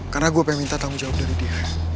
karena gue pengen minta tanggung jawab dari dia